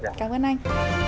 cảm ơn anh